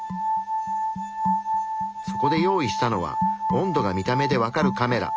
そこで用意したのは温度が見た目で分かるカメラ。